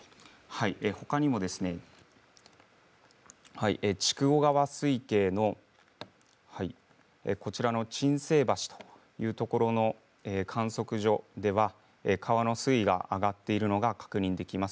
ほかにも筑後川水系の鎮西橋というところの観測所では川の水位が上がっているのが確認できます。